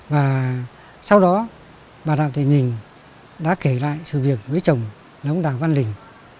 và sau đó bà đào thị nhìn đã kể lại sự việc với chồng là ông đào văn lình